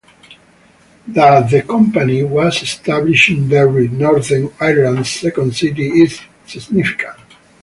That the company was established in Derry, Northern Ireland's "second city," is significant.